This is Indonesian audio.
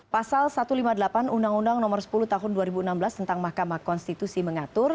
pasal satu ratus lima puluh delapan undang undang nomor sepuluh tahun dua ribu enam belas tentang mahkamah konstitusi mengatur